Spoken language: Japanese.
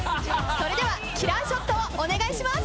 それではキラーショットをお願いします。